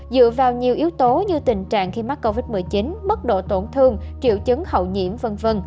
dựa vào nhiều yếu tố như tình trạng khi mắc covid một mươi chín mức độ tổn thương triệu chứng hậu nhiễm v v